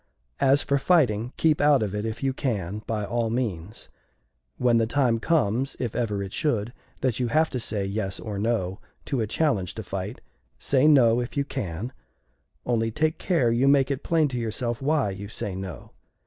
"As for fighting, keep out of it, if you can, by all means. When the time comes, if ever it should, that you have to say 'Yes' or 'No' to a challenge to fight, say 'No' if you can only take care you make it plain to yourself why you say 'No.'